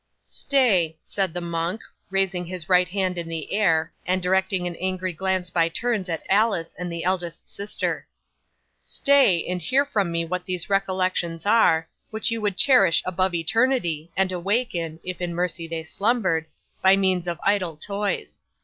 '"Stay!" said the monk, raising his right hand in the air, and directing an angry glance by turns at Alice and the eldest sister. "Stay, and hear from me what these recollections are, which you would cherish above eternity, and awaken if in mercy they slumbered by means of idle toys.